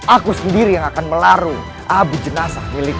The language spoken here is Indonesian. aku sendiri yang akan melarui abu jenazah milikmu